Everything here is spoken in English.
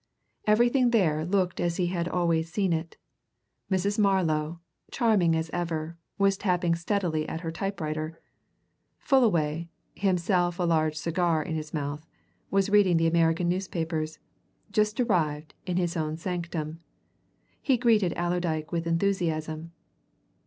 Everything there looked as he had always seen it Mrs. Marlow, charming as ever, was tapping steadily at her typewriter: Fullaway, himself a large cigar in his mouth, was reading the American newspapers, just arrived, in his own sanctum. He greeted Allerdyke with enthusiasm.